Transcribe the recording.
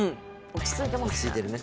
落ち着いてるね。